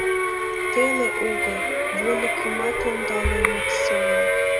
Теле огыл, вольыкымат ондален от сеҥе.